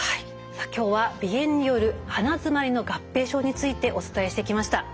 今日は鼻炎による鼻づまりの合併症についてお伝えしてきました。